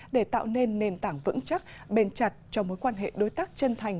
để tạo nên nền tảng vững chắc bền chặt cho mối quan hệ đối tác chân thành